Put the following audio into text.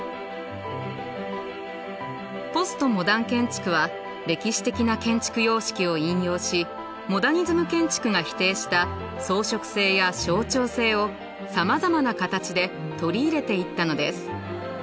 ポストモダン建築は歴史的な建築様式を引用しモダニズム建築が否定した装飾性や象徴性をさまざまな形で取り入れていったのです。